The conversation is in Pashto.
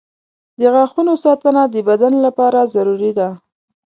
• د غاښونو ساتنه د بدن لپاره ضروري ده.